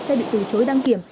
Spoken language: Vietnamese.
xe bị từ chối đăng kiểm